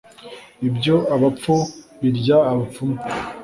Ibyo abapfu birya abapfumu.